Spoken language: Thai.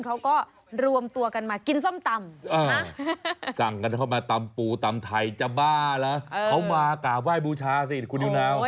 เขาก็รวมตัวกันมากินส้มตำสั่งกันเข้ามาตำปูตำไทยจะบ้าเหรอเขามากราบไหว้บูชาสิคุณนิวนาว